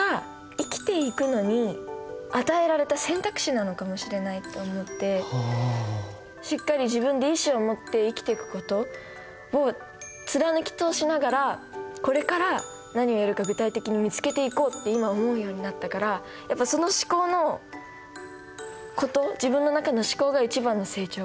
なのかもしれないと思ってしっかり自分で意思を持って生きていくことを貫き通しながらこれから何をやるか具体的に見つけていこうって今思うようになったからやっぱその思考のこと自分の中の思考が一番の成長かなって思います。